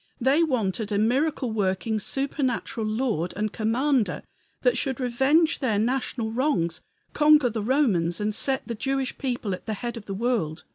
They wanted a miracle working, supernatural Lord and Commander that should revenge their national wrongs, conquer the Romans, and set the Jewish people at the head of the world.